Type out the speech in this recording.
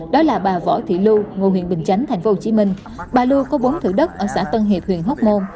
đó là bà võ thị lưu ngụ huyện bình chánh tp hcm bà lưu có bốn thử đất ở xã tân hiệp huyện hóc môn